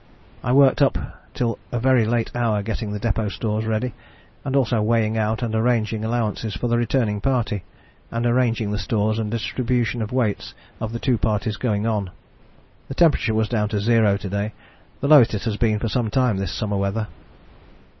I worked up till a very late hour getting the depôt stores ready, and also weighing out and arranging allowances for the returning party, and arranging the stores and distribution of weights of the two parties going on. The temperature was down to zero to day, the lowest it has been for some time this summer weather."